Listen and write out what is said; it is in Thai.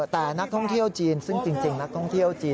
แต่นักท่องเที่ยวจีนซึ่งจริงนักท่องเที่ยวจีน